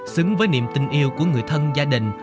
xứng với niềm tình yêu của người thân gia đình